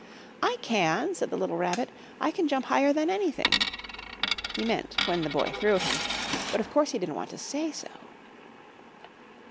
"I can!" said the little Rabbit. "I can jump higher than anything!" He meant when the Boy threw him, but of course he didn't want to say so.